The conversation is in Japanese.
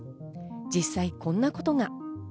実際こんなことが。